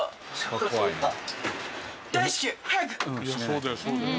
そうだよそうだよ。